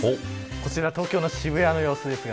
こちら東京の渋谷の様子です。